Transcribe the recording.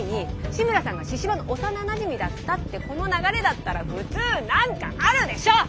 志村さんが神々の幼なじみだったってこの流れだったら普通何かあるでしょ！